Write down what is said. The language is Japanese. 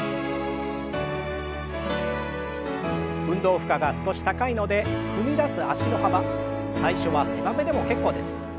運動負荷が少し高いので踏み出す脚の幅最初は狭めでも結構です。